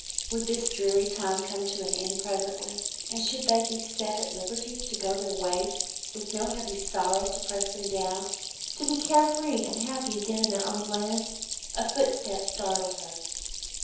Would this dreary time come to an end presently, and should they be set at liberty to go their ways with no heavy sorrow to press them down, to be care free and happy again in their own land? A footstep startled her.